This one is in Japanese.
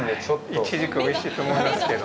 イチジク、おいしいと思いますけど。